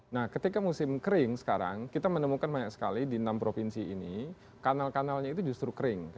nah ketika musim kering sekarang kita menemukan banyak sekali di enam provinsi ini kanal kanalnya itu justru kering